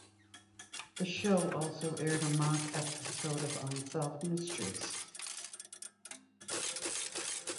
The show also aired a mock episode of "Unsolved Mysteries".